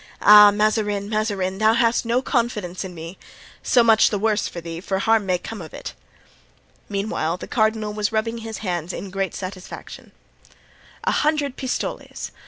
Ah! Mazarin! Mazarin! thou hast no confidence in me! so much the worse for thee, for harm may come of it!" Meanwhile the cardinal was rubbing his hands in great satisfaction. "A hundred pistoles! a hundred pistoles!